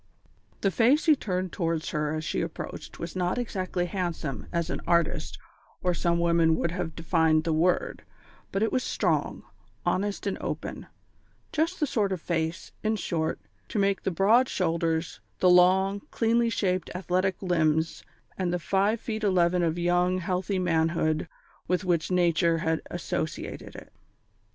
The face he turned towards her as she approached was not exactly handsome as an artist or some women would have defined the word, but it was strong, honest, and open just the sort of face, in short, to match the broad shoulders, the long, cleanly shaped, athletic limbs, and the five feet eleven of young, healthy manhood with which Nature had associated it.